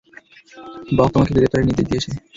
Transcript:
বক তোমাকে গ্রেপ্তারের নির্দেশ দিয়েছে।